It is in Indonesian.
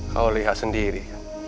kau lihat sendiri